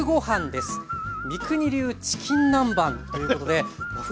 三國流チキン南蛮ということで和風